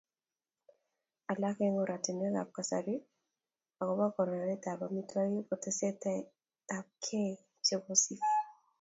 Alak eng oratinwekab kasari agobo konoretab amitwogik ko teksetab chogesiek